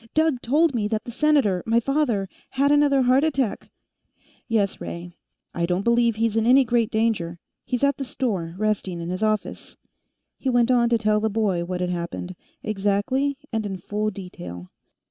"Doug told me that the Senator ... my father ... had another heart attack." "Yes, Ray. I don't believe he's in any great danger. He's at the store, resting in his office." He went on to tell the boy what had happened, exactly and in full detail.